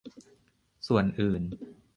ส่วนอื่น